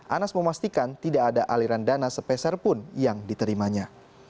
anas memastikan tidak ada aliran dana sepeserpun yang diterimanya